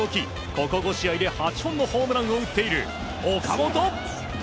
ここ５試合で８本のホームランを打っている岡本。